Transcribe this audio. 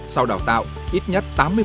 sau đào tạo ít nhất tám